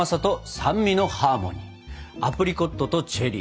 アプリコットとチェリー。